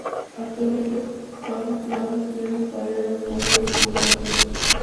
Actualmente pasan trenes para ir a Los Talleres Gambier